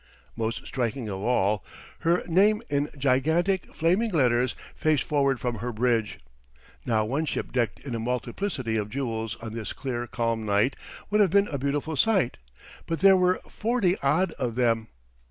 Most striking of all, her name in gigantic, flaming letters faced forward from her bridge. Now one ship decked in a multiplicity of jewels on this clear calm night would have been a beautiful sight but where there were forty odd of them